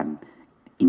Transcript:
individu guru maupun tuan